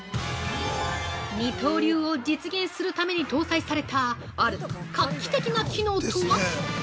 ◆二刀流を実現するために搭載された、ある画期的な機能とは？